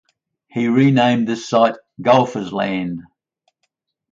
He named this site "Golfers Land".